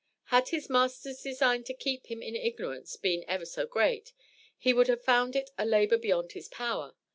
Had his master's design to keep him in ignorance been ever so great, he would have found it a labor beyond his power.